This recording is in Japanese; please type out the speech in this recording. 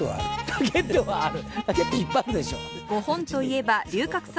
「ラケットはある」！